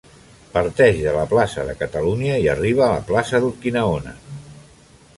Parteix de la plaça de Catalunya i arriba a la plaça d'Urquinaona.